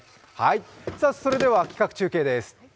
それでは企画中継です。